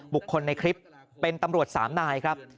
บุคคลในคลิปเป็นตำรวจ๓นายครับ